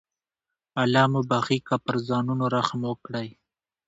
الله مو بخښي که پر ځانونو رحم وکړئ.